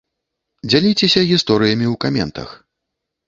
Дзяліцеся гісторыямі ў каментах!